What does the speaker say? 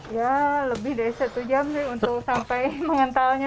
ya lebih dari satu jam sih untuk sampai mengentalnya